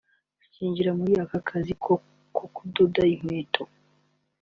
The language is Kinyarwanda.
Akinjira muri ako kazi ko kudoda inkweto